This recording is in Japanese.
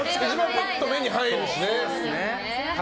パッと目に入るしね。